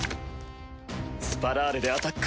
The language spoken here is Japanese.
スパラーレでアタック！